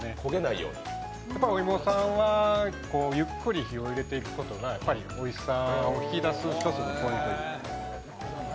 お芋さんはゆっくり火を入れていくことがおいしさを引き出す一つのポイントです。